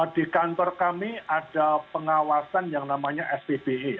di kantor kami ada pengawasan yang namanya spbe